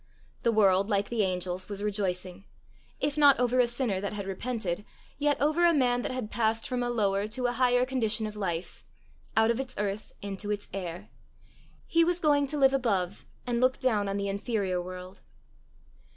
The world, like the angels, was rejoicing if not over a sinner that had repented, yet over a man that had passed from a lower to a higher condition of life out of its earth into its air: he was going to live above, and look down on the inferior world!